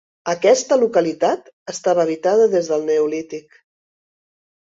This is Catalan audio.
Aquesta localitat estava habitada des del Neolític.